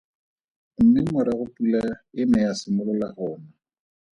Mme morago pula e ne ya simolola go na.